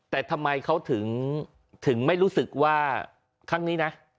แต่ทำไมเขาถึงไม่รู้สึกว่าครั้งนี้นะ